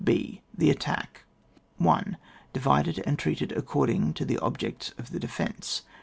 B.— The Attack. 1. Divided and treated according to the objects of the defence.